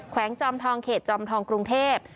วงจอมทองเขตจอมทองกรุงเทพ